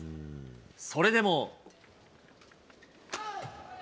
それでも。